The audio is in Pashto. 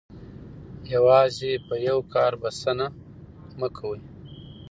یوازې په یو کار بسنه مه کوئ.